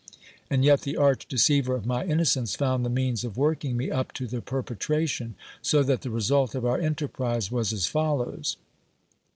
And yet the arch deceiver of my innocence found the means of working me up to the perpetration, so that the result of our enterprise was as follows.